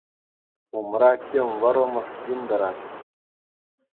Умра тем вӑрӑмӑш ҫын тӑрать.